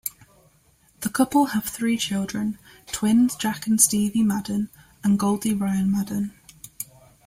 The couple have three children, twins Jack and Stevie Madden, and Goldie Ryan Madden.